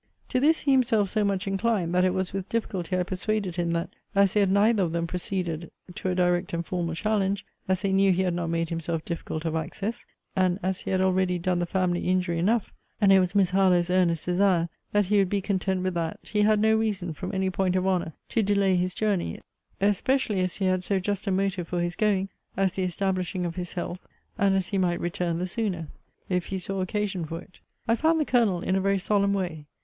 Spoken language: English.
To this he himself so much inclined, that it was with difficulty I persuaded him, that, as they had neither of them proceeded to a direct and formal challenge; as they knew he had not made himself difficult of access; and as he had already done the family injury enough; and it was Miss Harlowe's earnest desire, that he would be content with that; he had no reason, from any point of honour, to delay his journey; especially as he had so just a motive for his going, as the establishing of his health; and as he might return the sooner, if he saw occasion for it. I found the Colonel in a very solemn way.